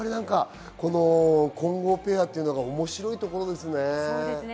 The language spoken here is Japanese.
混合ペアっていうのは面白いところですね。